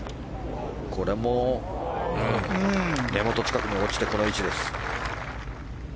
これも根本近くに落ちてこの位置です。